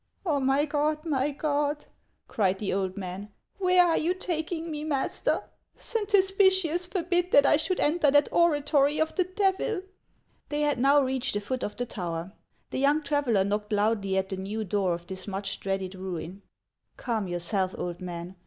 " Oh, my God ! my God !" cried the old man, " where are you taking me, master ? Saint Hospitius forbid that I should enter that oratory of the Devil !" They had now reached the foot of the tower. The young traveller knocked loudly at the new door of this much dreaded ruin. " Calm yourself, old man.